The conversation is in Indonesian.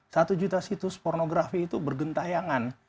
satu juta situs pornografi itu bergentayangan